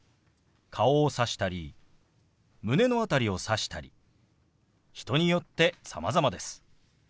顔をさしたり胸の辺りをさしたり人によってさまざまです。